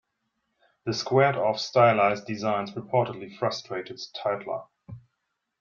The squared-off stylized designs reportedly frustrated Tytla.